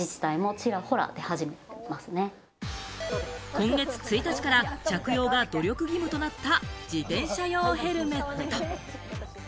今月１日から着用が努力義務となった自転車用ヘルメット。